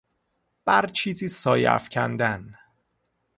بر چیزی سایه افکندن